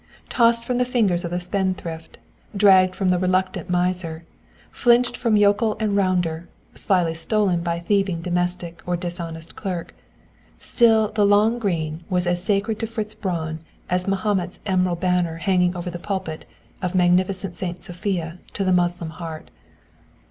Tossed from the fingers of the spendthrift, dragged from the reluctant miser, filched from yokel and rounder, slyly stolen by thieving domestic or dishonest clerk, still the "long green" was as sacred to Fritz Braun as Mahomet's emerald banner hanging over the pulpit of magnificent Saint Sophia to the Moslem heart.